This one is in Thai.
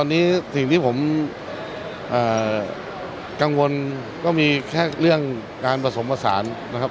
ตอนนี้สิ่งที่ผมกังวลก็มีแค่เรื่องการผสมผสานนะครับ